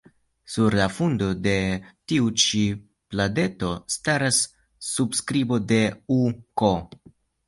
Sur la fundo de tiu ĉi pladeto staras la surskribo « U. K. »